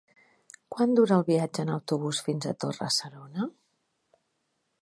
Quant dura el viatge en autobús fins a Torre-serona?